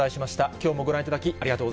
きょうもご覧いただきありがとう